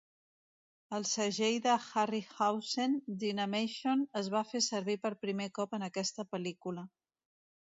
El segell de Harryhausen, "Dynamation", es va fer servir per primer cop en aquesta pel·lícula.